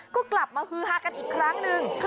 ก็กลับมาฮือฮากันอีกครั้งหนึ่ง